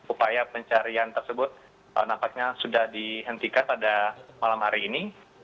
upaya pencarian tersebut nampaknya sudah dihentikan pada malam hari ini